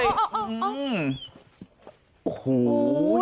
เฮ้อหูย